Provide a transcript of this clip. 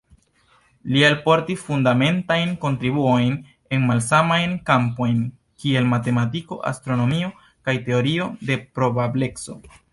Li alportis fundamentajn kontribuojn en malsamajn kampojn, kiel matematiko, astronomio kaj teorio de probableco.